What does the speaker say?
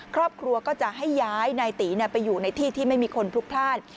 ครอบครัวก็จะให้ย้ายนายตีไปอยู่ในที่ที่ไม่มีคนพลุกพลาด